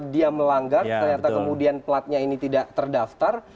dia melanggar ternyata kemudian platnya ini tidak terdaftar